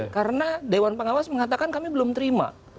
karena dewan pengawas mengatakan kami belum terima